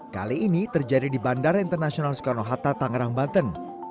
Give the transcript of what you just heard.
kali ini terjadi di bandara internasional soekarno hatta tangerang banten